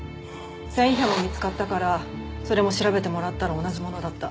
繊維片も見つかったからそれも調べてもらったら同じものだった。